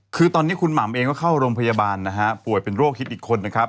คือตอนนี้คุณหม่ำเองก็เข้าโรงพยาบาลนะฮะป่วยเป็นโรคฮิตอีกคนนะครับ